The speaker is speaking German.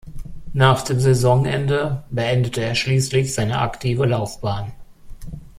Nach dem Saisonende beendete er schließlich seine aktive Laufbahn.